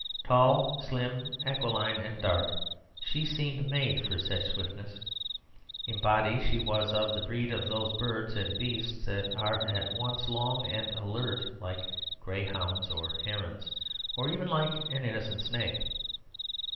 Tall, slim, aquiline, and dark, she seemed made for such swiftness. In body she was of the breed of those birds and beasts that are at once long and alert, like greyhounds or herons or even like an innocent snake.